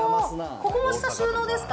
ここも下、収納ですか？